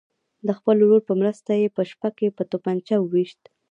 د خپل ورور په مرسته یې په شپه کې په توپنچه ویشت.